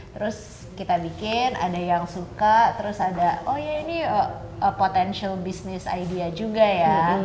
terus kita bikin ada yang suka terus ada oh ya ini potential business idea juga ya